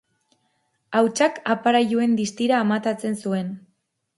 Hautsak aparailuen distira amatatzen zuen.